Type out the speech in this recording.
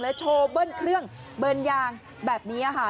โชว์เบิ้ลเครื่องเบิ้ลยางแบบนี้ค่ะ